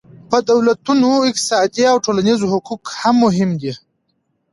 د دولتونو اقتصادي او ټولنیز حقوق هم مهم دي